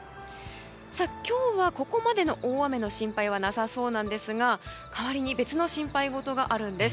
今日は、ここまでの大雨の心配はなさそうですが代わりに別の心配事があるんです。